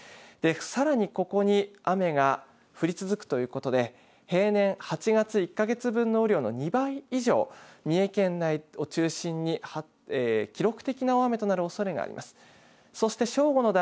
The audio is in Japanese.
で、さらにここに雨が降り続くということで平年、８月１か月分の雨量の２倍以上三重県内を中心に記録的な大雨となるおそれがあります。